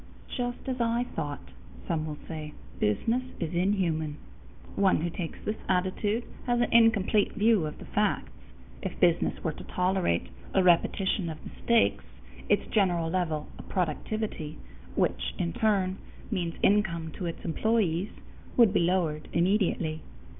"Just as I thought," some will say, "business is inhuman." One who takes this attitude has an incomplete view of the facts. If business were to tolerate a repetition of mistakes, its general level of productivity which, in turn, means income to its employees would be lowered immediately.